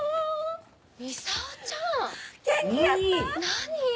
何？